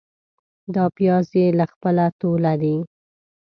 دا پیاز يې له خپله توله دي.